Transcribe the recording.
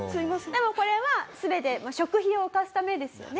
でもこれは全て食費を浮かすためですよね？